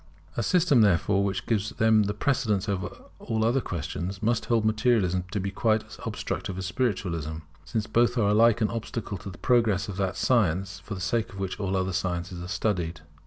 A system therefore which gives them the precedence over all other questions must hold Materialism to be quite as obstructive as Spiritualism, since both are alike an obstacle to the progress of that science for the sake of which all other sciences are studied.